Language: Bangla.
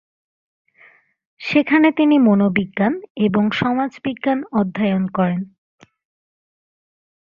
সেখানে তিনি মনোবিজ্ঞান এবং সমাজবিজ্ঞান অধ্যয়ন করেন।